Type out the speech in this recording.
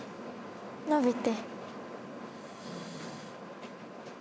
伸びて。